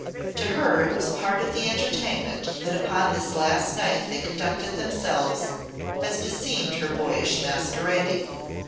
To her it was part of the entertainment that upon this last night they conducted themselves as beseemed her boyish masquerading.